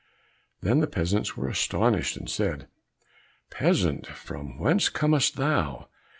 Then the peasants were astonished, and said, "Peasant, from whence comest thou?